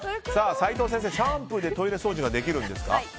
サイトウ先生、シャンプーでトイレ掃除ができるんですか？